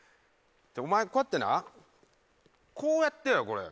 お前こうやってなこうやってるやろこれ。